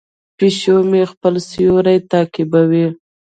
پیشو مې خپل سیوری تعقیبوي.